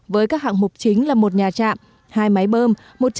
với các hạng mục chính là một nhà trạm hai máy bơm